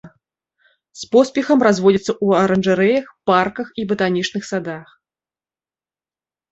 З поспехам разводзіцца ў аранжарэях, парках і батанічных садах.